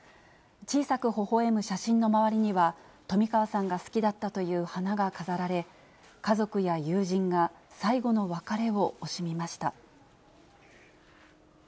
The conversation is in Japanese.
小さくほほえむ写真の周りには、冨川さんが好きだったという花が飾られ、家族や友人が最期の別れを惜しみました。